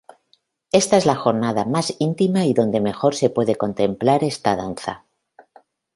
Ésta es la jornada más íntima y donde mejor se puede contemplar esta danza.